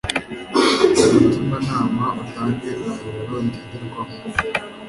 umutimanama utange umurongo ngenderwaho